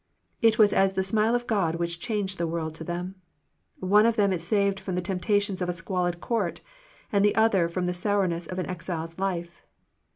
It was as the smile of God which changed the world to them. One of them it saved from the temptations of a squalid court, and the other from the sourness of an exile's life.